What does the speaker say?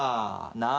なあ。